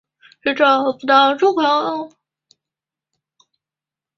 是不是注重办案‘三个效果’有机统一区别出来